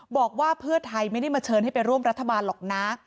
บอกว่าเพื่อไทยไม่ได้มาเชิญให้ไปร่วมรัฐบาลหรอกนะ